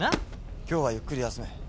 今日はゆっくり休め。